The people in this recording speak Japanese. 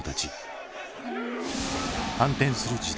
反転する時代。